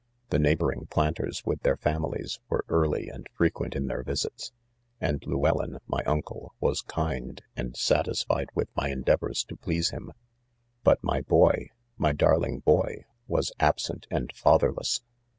The neighboring planters with their families, were early and Jxecpient in their visits ; and Llew ellyn, my .uncle, was kind, and satisfied with my endeavors to please him ;— but my boy, my darling hoy, was absent and fatherless.